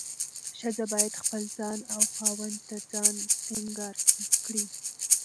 ښځه باید خپل ځان او خاوند ته ځان سينګار کړي.